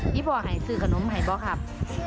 พี่ปว่าไห่สื่อขนมเหรอครับ